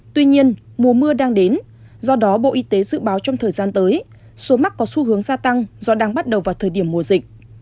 tuy nhiên mùa mưa đang đến do đó bộ y tế dự báo trong thời gian tới số mắc có xu hướng gia tăng do đang bắt đầu vào thời điểm mùa dịch